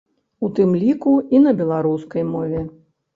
У тым ліку і на беларускай мове.